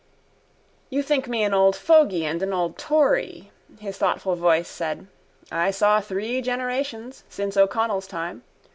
—You think me an old fogey and an old tory, his thoughtful voice said. I saw three generations since O'Connell's time.